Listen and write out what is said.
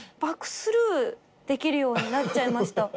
スルーできるようになっちゃいました。